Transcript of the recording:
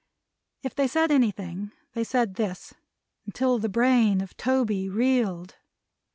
If they said anything they said this, until the brain of Toby reeled.